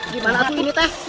gimana atu ini teh